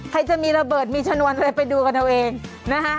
ใครจะมีระเบิดมีชนวนอะไรไปดูกันเอาเองนะฮะ